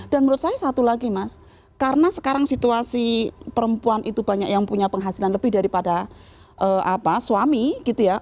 dan menurut saya satu lagi mas karena sekarang situasi perempuan itu banyak yang punya penghasilan lebih daripada apa suami gitu ya